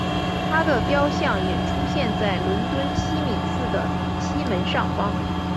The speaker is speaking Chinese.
她的雕像也出现在伦敦西敏寺的西门上方。